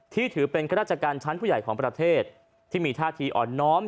ที่ถือเป็นข้าราชการชั้นผู้ใหญ่ของประเทศที่มีท่าทีอ่อนน้อม